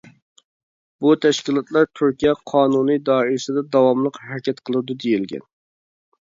بۇ تەشكىلاتلار تۈركىيە قانۇنى دائىرىسىدە داۋاملىق ھەرىكەت قىلىدۇ دېيىلگەن.